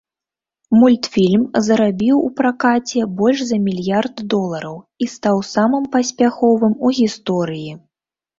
Мультфільм зарабіў у пракаце больш за мільярд долараў і стаў самым паспяховым у гісторыі.